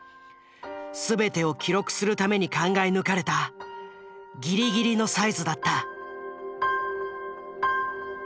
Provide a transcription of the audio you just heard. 全てを記録するために考え抜かれたギリギリのサイズだった。